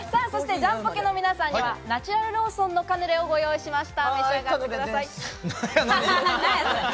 ジャンポケの皆さんにはナチュラルローソンのカヌレをご用意しました。